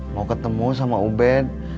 mau ketemu sama ubed